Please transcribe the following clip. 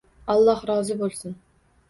Alloh rozi bo‘lsin.